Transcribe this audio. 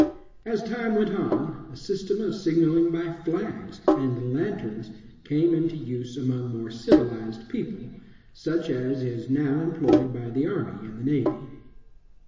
As time went on, a system of signaling by flags and lanterns came into use among more civilized people, such as is now employed by the army and the navy.